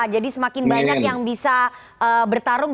jadi semakin banyak yang bisa bertarung